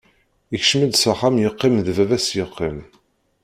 Ikcem-d s axxam yeqqim-d baba-s yeqqim.